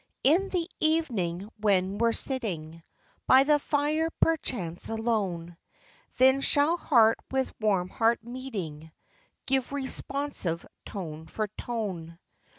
In the evening, when we 're sitting By the fire, perchance alone, Then shall heart with warm heart meeting, Give responsive tone for tone.